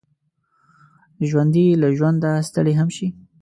ژوندي له ژونده ستړي هم شي